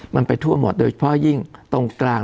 มันไปทั่วหมดโดยเฉพาะยิ่งตรงกลาง